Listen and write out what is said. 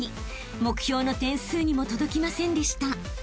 ［目標の点数にも届きませんでした］